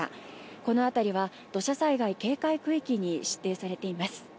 このあたりは土砂災害警戒区域に指定されています。